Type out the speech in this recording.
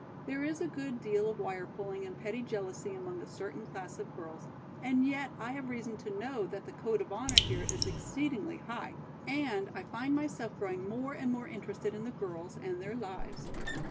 There is a good deal of wire pulling and petty jealousy among a certain class of girls, and yet I have reason to know that the code of honor here is exceedingly high, and I find myself growing more and more interested in the girls and their lives.